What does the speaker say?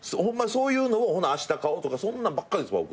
そういうのをあした買おうとかそんなんばっかですわ僕。